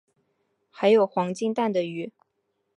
还有黄金蛋的鱼